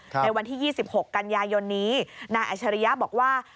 ในวันที่๒๖กันยายนนี้นายอัชริยะบอกว่า